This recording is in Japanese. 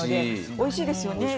おいしいですよね。